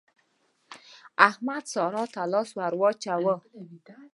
احمد سارا ته لاس ور واچاوو.